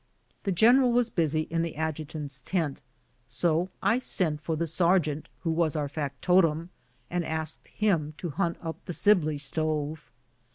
The general was busy in the adjutant's tent, so I sent for the sergeant, who was our factotum, and asked him to hunt up the Sibley stove.